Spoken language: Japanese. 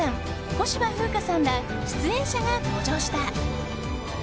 小芝風花さんら出演者が登場した。